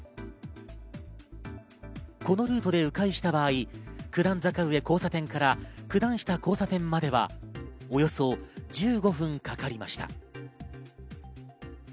このルートで迂回した場合、九段坂上交差点から九段下交差点まではおよそ１５分かかりました。